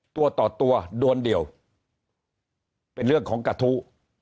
ตัวต่อตัวดวนเดียวเป็นเรื่องของกระทู้